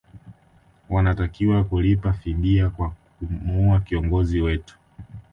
wanatakiwa kulipa fidia kwa kumua kiongozi wetu